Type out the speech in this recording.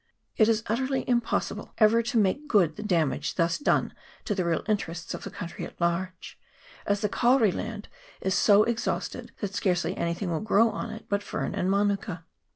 It is utterly impossible ever to make good the damage thus done to the real interests of the country at large, as the kauri land is so exhausted that scarcely anything will grow on it but fern and manuka.